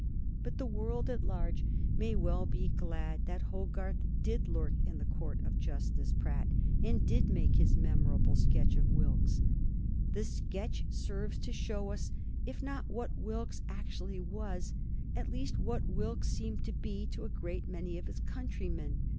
But the world at large may very well be glad that Hogarth did lurk in the court by Justice Pratt and did make his memorable sketch of Wilkes. The sketch serves to show us if not what Wilkes exactly was, at least what Wilkes seemed to be to a great many of his countrymen.